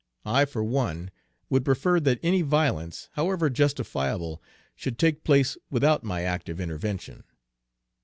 I, for one, would prefer that any violence, however justifiable, should take place without my active intervention."